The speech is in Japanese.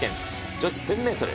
女子１０００メートル。